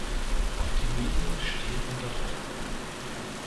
Auch die Medien stehen unter Druck.